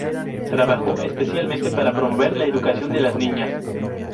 Trabajó especialmente para promover la educación de las niñas.